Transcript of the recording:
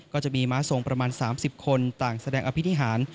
ก็จะมีม้าทรงประมาณ๓๐คนต่างแสดงอภินิหาร